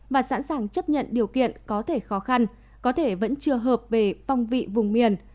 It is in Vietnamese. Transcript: và sẵn sàng chấp nhận điều kiện có thể khó khăn có thể vẫn chưa hợp về phong vị vùng miền